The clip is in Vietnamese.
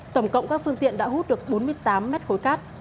tổng cộng các phương tiện đã hút được bốn mươi tám mét khối cát